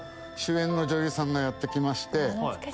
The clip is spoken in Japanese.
主演の女優さんがやって来まして。